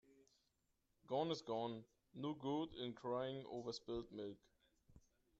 Gone is gone. No good in crying over spilt milk.